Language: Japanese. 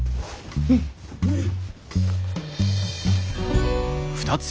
うん。